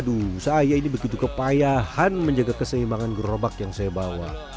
aduh saya ini begitu kepayahan menjaga keseimbangan gerobak yang saya bawa